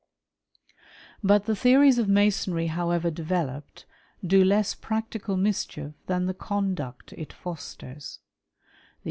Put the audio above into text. But the theories of Masonry however developed, do less practical mischief than the conduct it fosters.